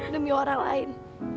demi orang lain